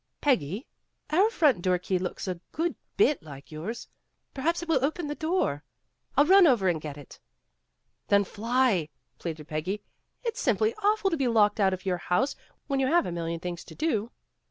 " Peggy, our front door key looks a good bit like yours. Perhaps it will open the door. I'll run over and get it." "Then, fly," pleaded Peggy, "It's simply aw ful to be locked out of your house when you have a million things to do.